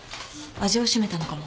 味をしめたのかも。